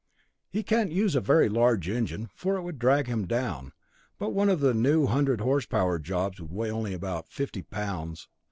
He can't use a very large engine, for it would drag him down, but one of the new hundred horsepower jobs would weigh only about fifty pounds.